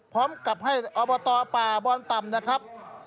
พร้อมกับให้อบตป่าบอนต่ำนะครับ